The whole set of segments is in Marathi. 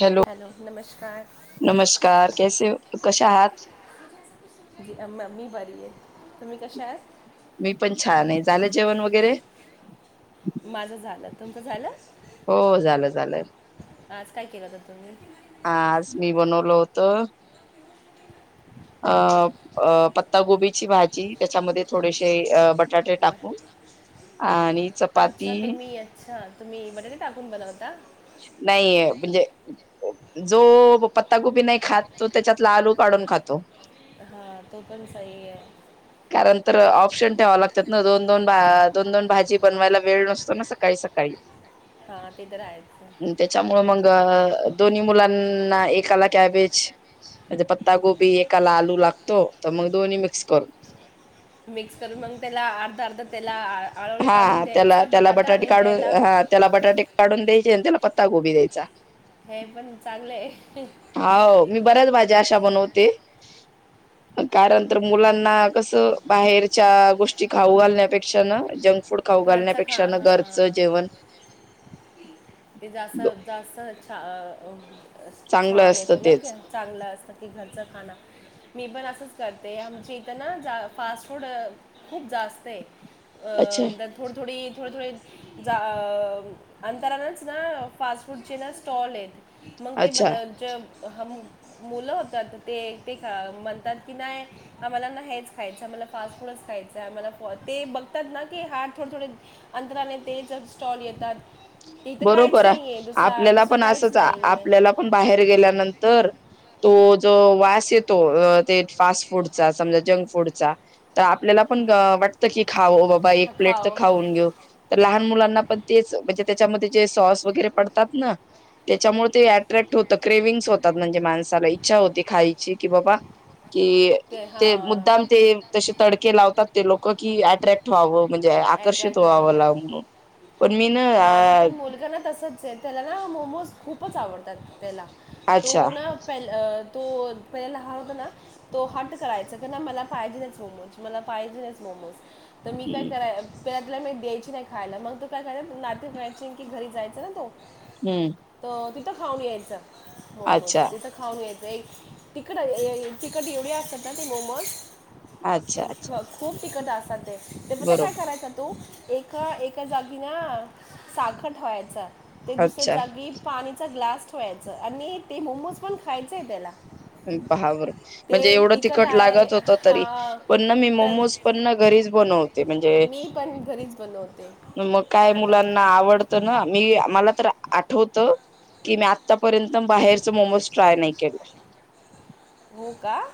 हॅलो नमस्कार कसेहो कशा आहात मी बरी आहे तुम्ही कशा आहेत मी पण छान आहे झालं जेवण वगैरे माझं झालं तुमचं झालं हो झालं झालं केलात तुम्ही आ आज मी बनवल होत अ पत्तागोबीची भाजी त्याच्यामध्ये थोडेसे बट चपाती अच्छा तुम्ही अच्छा तुम्ही बटरी टाकून बनवता नाही म्हणजे जो पत्तागोबी नाही खात तो त्याच्यातला आलू काढून खातो हां तो पण सही आहे कारण तर ऑप्शन ठेवा लागतात ना दोन दोन भा दोन दोन भाजी बनवायला वेळ नसतो ना सकाळी सकाळी हा ते तर आहेच त्याच्यामुळ मग दोन्ही मुलांना एकाला कॅबेज म्हणजे पत्ता गोबी एकाला आलू लागतो तर मग दोन्ही मिक्स करून मिक्स करून मग त्याला अर्धा अर्धा त्याला आळूळ काढून हा त्याला द्यायचा त्याला बटाटा बटाटे आणि काढून त्याला हा त्याला बटाटे काढून द्या त्याला पत्ता गोबी द्यायचा हे पण चागलंय हो मी बऱ्याच भाज्या अशा बनवते कारण तर मुलांना कस बाहेरच्या गोष्टी खाऊ घलण्यापेक्षा न घरच ख हा जेवण ते जास्त जास्त छ चांगलं छान असतं येतो ना की तेच चांगलं असतं की घरचं खाणं मी पण असंच करते आमच्या इथं ना जा फास्ट फूड खूप जास्त आहे.. अच्छा अं थोडी थोडी थोडे थोडे जा अंतरानच ना फास्ट फूडचे ना स्टॉल आहेत.. मग ते अच्छा बद ज.. मुलं होतात ते ते म्हणतात की नाही आम्हाला ना हेच खायचं.. फास्ट फूडच खायच आम्हाला ते बघतात ना की ह. थोडे थोडे अंदर आला तेल चचा स्टॉल येतात. इथं काहीच बरोबर नाहीये दुसरा आपल्याला दुसरं पण काहीच असंच नाहीये आपल्याला पण बाहेर गेल्यानंतर. तो. ज वास येतो फास् फूडचा समज जंक फूडचा तर आपल्याला पण. वाटते की खाऊ बाबा हा एक प्लेट तर खाओ हा खाऊघेऊ लहान मुलांना तेच तिची सॉस वगैरे ते पडतात ना त्याच्यामुळे अट्रॅक्ट होतात ट्रॅव्हल्स होतात माणसांना. इच्छा होती खायची कि बाबा. कि ते मुद्दाम ते तसे तडके लावतात ते लोक कि अट्रॅक्ट व्हावं. म्हणजे आकर्षित अट्रॅक्ट वव व्हावा ला म्हणून पण मी. ना माझा अ पण मुलगा ना तसच आहे त्याला ना मोमोज खूपच आवडतात त्याला. अच्छा तो ना पल अ. तो पहिला लहान होता ना तो हट करायचा क मला पाहिजे मोमोज मला पाहिजे मोमो मोमोज. तर मी काय कराय स्ेतला मी द्यायची नाही खायला मग तू काय कराय नाते वयचे की घरी जायचं ना तो. हम्म तर तिथं खाऊन यायचं अच्छा मोमोज तिथं खाऊन यायचं. तिकट तिकट एवढी असतात ना ते मोमोज. अच्छा अच्छा. तिकट असात ते ते बिबटया काय बरोबर करायचां तू एका एका जागीना. साखर व्हायचा ते दुसऱ्या अच्छा जागी पाणी.. चा ग्लास ठेवायचं आणि ते मोमोज पण खायचं आहे त्याला. पहावर म्हणजे ते एवढं तिखट आहे लागत होत तरी हा पण ना मी तर मोमोज पण. घरी च बन ते म्हणजे मी पण घरीच बनवते मग काय. आता मुलांना आवडत ना मला आठवत की आ र्यंत बाहेरच मोमोज ट्राय नाही केलं. हो. का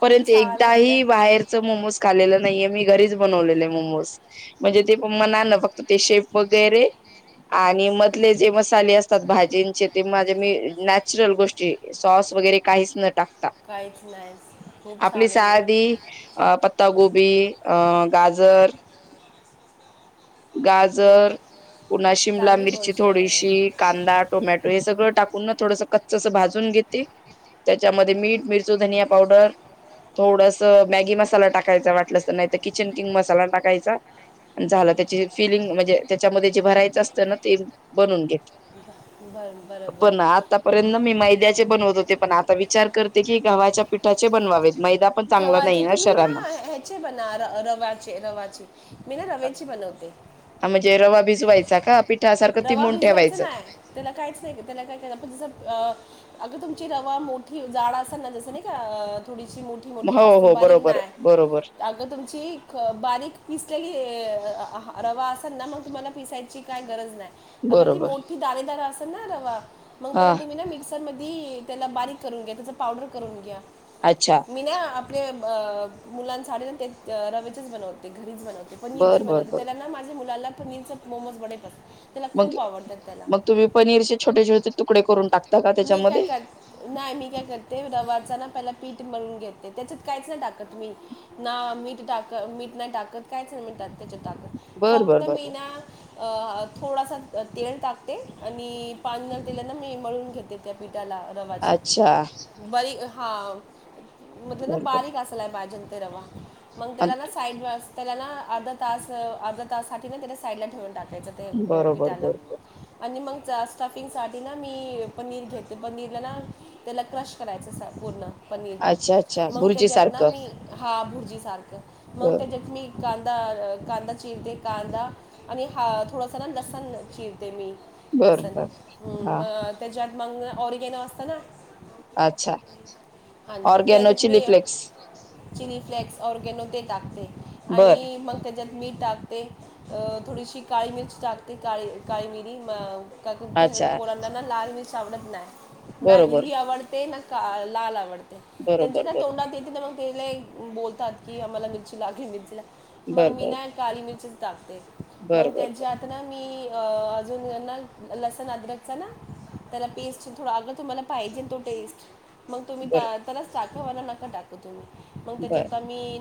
खूप छान एकदा आहे तर बाहेरच मोमोज खालेलं नाहीे मी घरी. घरीच बनवलेला आहे मोमोज ते फक्त मनानं फक्त. ते शेप वगैरे आणि मधले जे मसाले अस. भाजींचे ते माझे मी नॅचरल गोष्टी सॉस वगैरे काहीच न टाक. काहीच नाही. खूप आपली छान आहे मग सादी अ पत्तागोबी अं गाजर. हो गाजर. पुन्हा शिमला चांगली मिरची गोष्ट आहे थोडीशी कांदा टोमॅटो हे सगळं टाकून ना थोडस कच. स भाजून घेते त्याच्यामध्ये मीठ मिरच धनिया पावडर. थोडस मॅगी मसाला टाकायचा वाटलंस नाही तर किचन किंग मसाला टाकायचा. झालं त्याची फिलिंग म्हणजे त्याच्यामध्ये जे भरायचं असतं ना ते बनून घेत. ब- बर बरोबर पण आतापर्यंत मी मैद्याचे बनवत होते पण आता विचार करते. कि गव्हाच्या पीठाचे बनवावे. गव्हाचे तुम्ही ना ह्याचे बणा रवाचे रवाचे. मी ना रवेची बनवते. हा म्हणजे रवा भिजवायचा का पिठासारखं रवा तिबून भिजवायचा ठेवायचं. अग तुमची रवा मोठी जाड अस जस नाही का थोडी. मो हो अस हो बारीक बरोबर नाही बरोबर अग तुमची बारीक पिस्. ते रवा असल ना मग तुम्हाला पिसायची काय गरज नाही. अगं ती बरोबर मोठी दारेदार असेल ना रवा मग हा त्याला तुम्ही ना मिक्सर मध्ये. त्याला बारीक करून घ्या त्याच पावडर करून घ्या. अच्छा मी ना आपल्या अं मुलांसाठी ते अं रवेचेच बनवते घरी. मीच बनवते पनीरची बर बर बनवते बर त्याला ना माझ्या मुलाला पनीरचं मोमोज बडे पसंत. मग मग तुम्ही पनीरचे छोटे छोटे तुकडे करून टाकता का मी काय त्याच्यामध्ये. कर नाही मी काय करते रवाच ना पहिलं पीठ. मळून घेते त्याच्यात काहीच नाही टाकत मी ना मीठ टाकत मिठ ना टाकत काहीच नाही मी टाकत. त्याच्यात टाकत बर बर फक्त बर मी बर ना. अं थोडासा तेल टाकते आणि पाणी आणि तेलान मी मळून घेते ते पिठ. त्याला रवाच अच्छा बरी हा. म्हटल ना बर बर बारीक असायला पाहिजे ते रवा मग त्याला ना आणि साईड न असं. त्याला ना अर्धा तास अर्धा तासासाठी ना त्याच्या साईडला ठेवून टाक. त्याच ते बरोबर पिठाला. बरोबर आणि मग जा स्टफिंगसाठी ना मी पनीर घेते पनीरला ना त्याला क्रश करायचं असं पूर्ण. पनीरला अच्छा अच्छा मग भुर्जी त्याच्यात ना सारखं मी हा भुर्जी सारख मग बर त्याच्यात मी. कांदा कांदा चिरते कांदा आणि हा थोडंस ना लसण चिरते मी. बर लसन बर हम्म हा मग त्याच्यात मग ऑर्गनो असत ना. अच्छा आणि ऑर्गेनो त्याच्यात चिली मी फ्लेक्स. चिली फ्लेक्स ऑर्गनो ते टाकते आणि बर मग त्याच्यात. मीठ टाकते थोडीशी काळी मिरच टाकते काळी काळी मिरी मग. काकू ते अच्छा पोरांना ना लाल मिरची आवडत नाही ना बरोबर हिरवी आवडते ना का लाल आवडते. त्यांच्या बरोबर ना बर तोंडात येते तर मग बोलतात की आम्हाला मिरची लागले मिरची लागले. मग बर मी बर ना काली मिरचीच टाकते बर मग बर बर त्याच्यात ना मी. अं अजून ना लसण अदरकच ना. त्याला पेस्ट थोडा अगं तुम्हाला पाहिजे तो टेस्ट. मग तुम्ही बर त्यालाच टाका नका टाकू तुम्ही मग बर त्याच्यात आम्ही.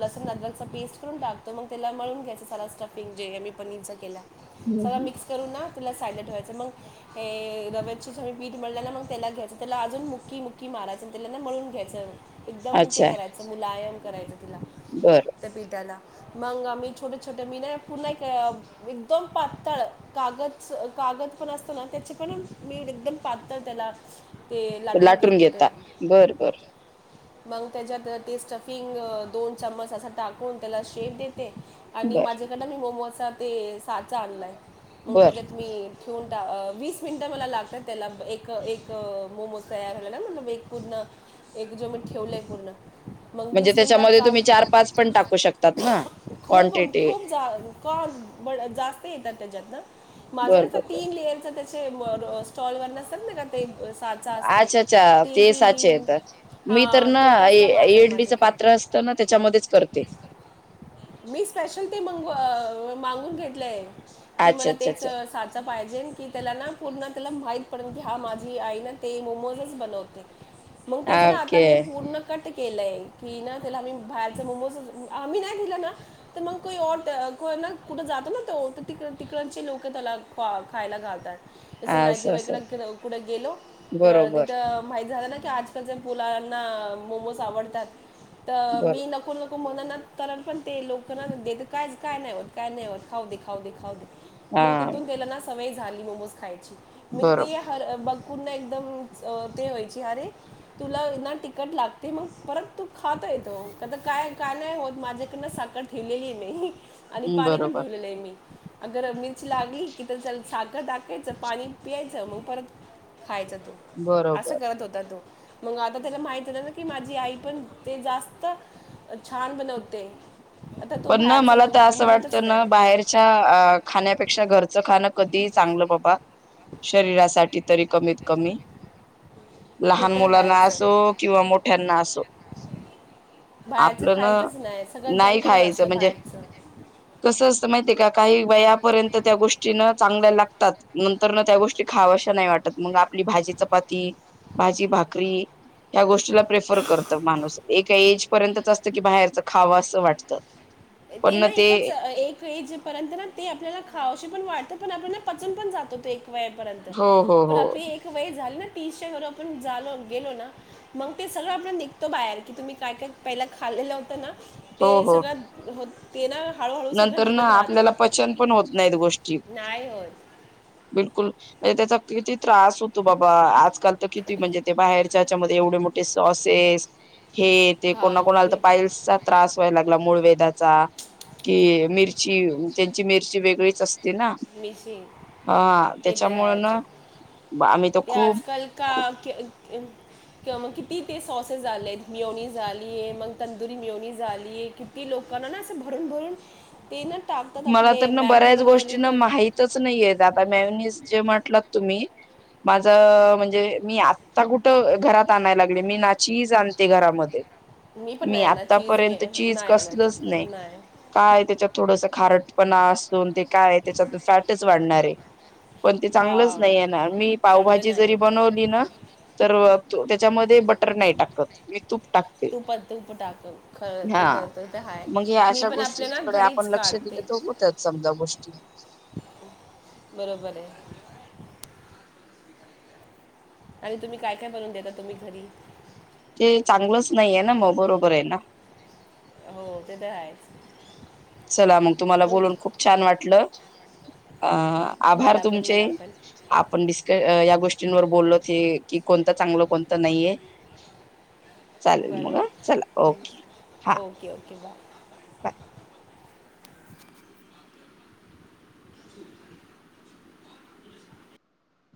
लसण अदरकच पेस्ट करून टाकतो मग त्याला मळून घ्यायचां सारा स्टफिंग जे आहे मी पनीरचां केला. सगळ हम्म मिक्स करून ना. त्याला साइडला ठेवायचं मग हे रव्याची जे मी पीठ मळलेल मग त्याला घ्यायचं त्याला अजून मुकी. मुकी मारायचं त्याला ना मळून घ्यायचं एकदम ते अच्छा करायचं मुलायम करायचं. तिला बर त्या पिठाला. मग आम्ही छोटे छोटे मी ना पुन्हा एक एकदम पातळ कागद सारख. कागद पण असतं ना त्याचे पण मी एकदम पातळ त्याला ते लाटून घेत. घेता बर बर. मग त्याच्यात ते स्टफिंग अं दोन चमच अस टाकून त्याला शेप दे. ते आणि बर माझ्याकडनं मी मोमोज ते साचा आणलाय मग बर त्याच्यात मी. ठेऊन टा अं वीस मिनिटं मला लागतात त्याला एक एक मोमोज तयार. [unintelligible] एक पूर्ण एक जो मी ठेवलंय पूर्ण. मग म्हणजे वीस मिनटात त्याच्यामध्ये का तुम्ही चार पाच पण टाकू शकतात ना. खूप क्वांटिटी खूप जा [unintelligible] जास्त येतात त्याच्यात ना माझ बर कस बर बर तीन लेअरच त्याच. सेम स्टॉल वर नसतात ना का ते साचा असतो. अच्छा अच्छा तीन ते तीन साचा तीन येत मी तर हा ना तो तसला माझा आहे इडलीच माझ्याकडे पात्र असतं ना त्याच्यामध्येच करते. [inaudible] मी स्पेशल ते. मग अं मागून घेतलंय की अच्छा मला अच्छा तेच साचा पाहिजे की त्याला ना. पूर्ण त्याला माहीत पडल की हा माझी आई ना ते मोमोजच बनवते. मग त्याच अच्छा ना आता ओके मी पूर्ण कट. केलंय की ना त्याला मी बाहेरच मोमोज आम्ही नाही दिलं ना तर मग कोई और [unintelligible] कुठं जातो ना तो तिकड तिकडचे लोक त्याला खायला घालतात. तसं नाहीती असं वईकड असं कुठे गेलो तर बरोबर मा झा आजकाललांना मोमोज आवडतात तर बर मी नको मलाना तरण पण ते लोकांना देत कायच काय नाहीट काय नाही वाट खाऊ देखाव देखाव हा मग तिथून तेला ना सवय झाली मोमोज खायची मग ते बरोबर बघ पुण एकदम ते व्हायची अरे तुला ना तिकट लागते मग परत तू खातो येतो काय का नाही होत माझ्याकडनं साखर ठेवलेली नाही आणि पाणी पण बरोबर ठेवलेलं आहे मी अगर मिरची लागली की तर साखर टा टाकायचं पाणी पियचं मग परत खायचा तो बरोबर असं करत होता तो मग आता त्याला माहित ना की माझी आई पण ते जास्त छान बनवते आता तो पण ना बाहेरचा मला मग तर असं म्हणतच वाटतं ना नाही बाहेरच्या बाहेरच्या अ खाण्यापेक्षा घरचं खाणं घरचं झालं तर कधी चांगलं ते बघत चांगलं होतं शरीरासाठी तरी शरीरासाठी कमीत तरी, कमी कमीत कमी ते लहान तर मुलांना असो आहेच किंवा मोठ्यांना असो बाहेरचं आपलं ना खायचंच नाही सगळं नाही जंक फूड खायच असतं म्हणजे बाहेरचं कस असत माहिय का काही वया पर्यंत त्या गोष्टी न चांगल्या लागतात नंतर न त्या गोष्टी खावशा नाही वाटत मग आपली भाजी चपाती भाजी भाकरी ह्या गोष्टीला प्रेफर करत माणूस एका एज पर्यंतच असतं की बाहेरच खावं असं वाटतं ते ना एकच एकज पर्यंत ना ते आपल्याला खा पण वात पण आपल्या पचून पण जात होतो एक वेपर्यंत हो हो पण हो आप एक वेळ झाली ना ीश आपणलो गेलो ना मग ते सगळं आपण निघतो बाहेर की तुम्ही काय काय पहि खाल लं होत ना ते हो हो सगळं हो ते ना हळूहळू सगळं नंतर ना निघत राहतं आपल्याला पचन पण होत नाहीत गोष्टी नाही होत बिलकुल म्हणजे त्याचा किती त्रास होतो बाबा आजकाल तर किती म्हणजे ते बाहेरच्याच्यामध्येध्ये एवढे मोठे स असे हे ते हा कोणा कोणा आला तर बिल पायल्सचा त्रास व्हायला लागला मूळ वेधचा कि मिरची त्यांची मिरची वेगळीच असते ना मिशी हा ते तर त्याच्यामुळं आहेच ते आजकाल का किंवा मग किती ते सॉसेस झाले आहेत मिळवणी झालीय आहे मग तंदुरी मिळवणी झालीय किती लोक ण ना असं भरून भरून ते ना टाकतात आपले मॅगी बनवली तर माहच नाही द जे म्हटल तुम्ही माझ म्हणजे मी आता कुठ घरात आणायला डे मी नाची आणते घरामध्ये पण मी नाही आणणार चीज मी आतापर्यंत चीज नाही कसलच आणत नाही काय त्याच्यात थोडस हपणा असून ते काय त्याच्यातून फॅटच वाढणार आहे पण ते चांगलंच हा नाही आहेणार मी चांगलं पावभाजी नाही जरी आहे ते बनवली ना तर त्याच्यामध्ये बटर नाही टाकत तूप टाकते तूप तूप टाक ख हा ते तर तर ते आहे मग मी अशा पण आपल्या ना गोष्टीकडे आपण घरीच ल लक्ष दिलं काढते तर होतात समजा गोष्टी बरोबर आहे आणि तुम्ही काय काय बनून देता तुम्ही घरी ते चांगलंच नाही आहे ना मग बरोबर आहे ना हो ते तरयच चला मग तुम्हाला बोलून खूप छान वाटलं अ आभार मला पण तुमचे मला पण आपण डिस्क या गोष्टींवर बोललो ते की कोणतं चांगलं कोणतं नाही आहे बरं हा बाय ओके ओके बाय ह [inaudible]